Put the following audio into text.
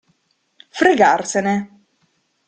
Fregarsene.